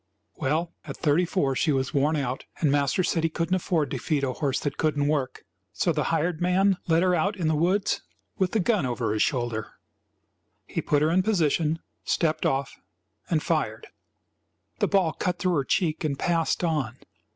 Well, at thirty four she was worn out, and master said he couldn't afford to feed a horse that couldn't work, so the hired man led her out in the woods with the gun over his shoulder. He put her in position, stepped off and fired. The ball cut through her cheek and passed on.